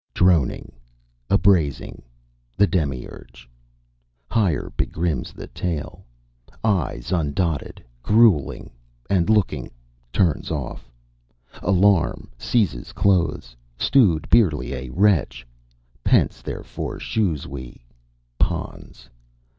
Droning. Abrasing the demiurge. Hier begrimms the tale: Eyes undotted, grewling and looking, turns off a larm, seizes cloes. Stewed Bierly a wretch Pence, therefore tchews we. Pons!